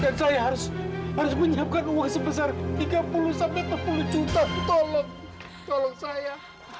dan saya harus menyiapkan uang sebesar tiga puluh sampai tiga puluh juta tolong tolong saya